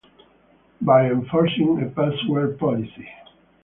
By Enforcing a password policy.